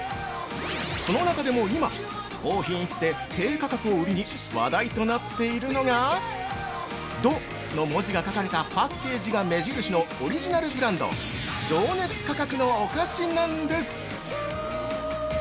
その中でも今高品質で低価格を売りに話題となっているのが「ド」の文字が書かれたパッケージが目印のオリジナルブランド「情熱価格」のお菓子なんです！